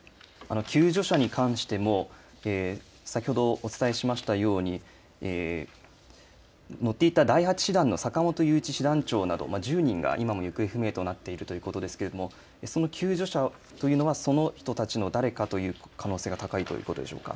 救助者に関しても先ほどお伝えしましたように乗っていた第８師団の坂本雄一師団長など１０人が今も行方不明となっているということですけどもその救助者というのはその人たちの誰かという可能性が高いということでしょうか。